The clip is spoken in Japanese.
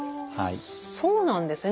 そうなんですね。